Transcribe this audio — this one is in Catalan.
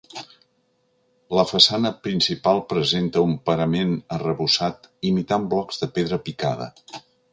La façana principal presenta un parament arrebossat imitant blocs de pedra picada.